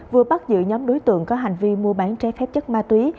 vừa bắt giữ nhóm đối tượng có hành vi mua bán trái phép chất ma túy